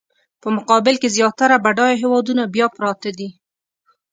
په مقابل کې زیاتره بډایه هېوادونه بیا پراته دي.